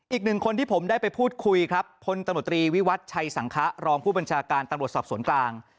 อีกหนึ่งคนที่ผมได้ไปพูดคุยครับพลตำรวจตรีวิวัตรชัยสังคะรองผู้บัญชาการตำรวจสอบสวนกลาง